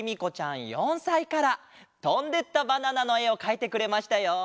「とんでったバナナ」のえをかいてくれましたよ！